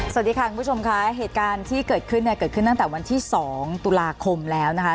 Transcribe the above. สวัสดีค่ะคุณผู้ชมค่ะเหตุการณ์ที่เกิดขึ้นเนี่ยเกิดขึ้นตั้งแต่วันที่๒ตุลาคมแล้วนะคะ